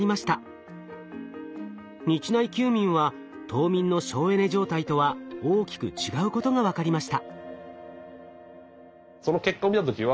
日内休眠は冬眠の省エネ状態とは大きく違うことが分かりました。